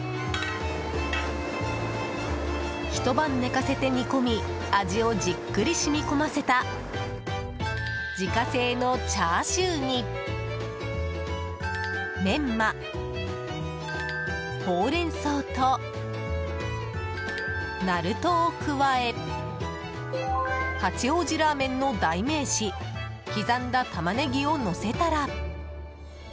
ひと晩寝かせて煮込み味をじっくり染み込ませた自家製のチャーシューにメンマ、ホウレンソウとなるとを加え八王子ラーメンの代名詞刻んだタマネギをのせたら。